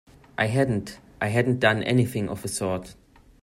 I hadn't; I hadn't done anything of the sort.